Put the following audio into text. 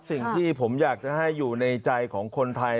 สิ่งที่ผมอยากจะให้อยู่ในใจของคนไทย